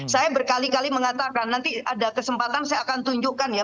saya berkali kali mengatakan nanti ada kesempatan saya akan tunjukkan ya